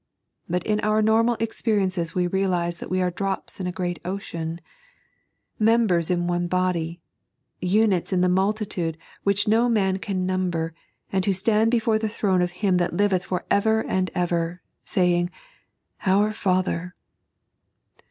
But in our normal experiences we realize that we are drops in a great ocean, members in one body, units in the multitude which no man can number, and who stand before the throne of Him that liveth for ever and ever, saying, " Our Father."